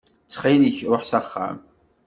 Ttxil-k ruḥ s axxam.